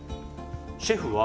シェフは。